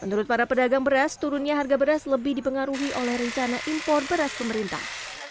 menurut para pedagang beras turunnya harga beras lebih dipengaruhi oleh rencana impor beras pemerintah